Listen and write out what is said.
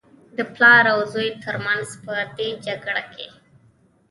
د پلار او زوى تر منځ په دې جګړه کې.